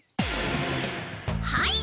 はい。